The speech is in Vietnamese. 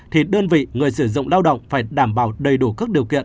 thì đơn vị người sử dụng lao động phải đảm bảo đầy đủ các điều kiện